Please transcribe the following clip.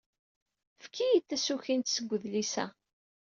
Efk-iyi-d tasukint seg udlis-a.